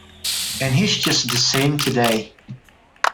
And he's just the same today.